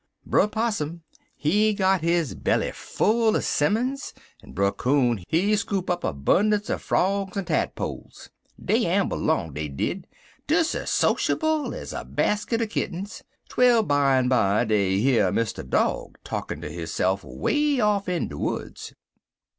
Brer Possum, he got his belly full er 'simmons, en Brer Coon, he scoop up a 'bunnunce er frogs en tadpoles. Dey amble long, dey did, des ez sociable ez a basket er kittens, twel bimeby dey hear Mr. Dog talkin' ter hisse'f way off in de woods.